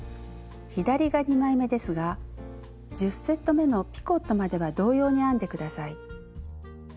左が２枚めですが１０セットめのピコットまでは同様に編んで下さい。